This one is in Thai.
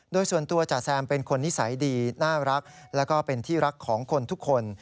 โดยส่วนตัวจ๋าแซมเป็นคนนิสัยดีน่ารักแล้วก็เป็นที่รักของคนทุกคน